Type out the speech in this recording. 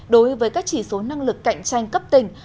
đối với các chỉ số năng lực cạnh tranh cấp tỉnh